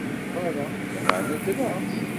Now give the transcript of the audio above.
Ur mmuteɣ ara, lameɛna ddreɣ.